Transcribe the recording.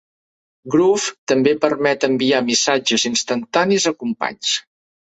Groove també permet enviar missatges instantanis a companys.